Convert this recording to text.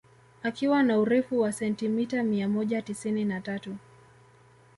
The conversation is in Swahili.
Akiwa na urefu wa sentimeta mia moja tisini na tatu